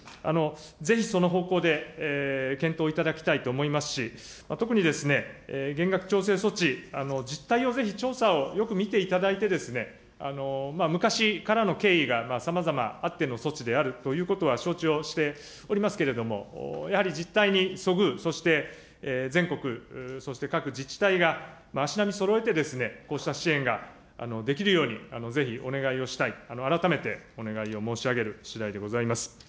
ぜひその方向で検討いただきたいと思いますし、特に減額調整措置、実態をぜひよく見ていただいて、昔からの経緯がさまざまあっての措置であるということは承知をしておりますけれども、やはり実態にそぐう、そして全国、そして各自治体が足並みそろえて、こうした支援ができるように、ぜひお願いをしたいと、改めてお願いを申し上げるしだいでございます。